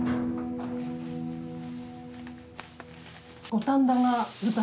五反田が舞台。